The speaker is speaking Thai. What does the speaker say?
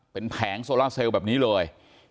เป็นแผงโซล่าเซลล์แบบนี้เลย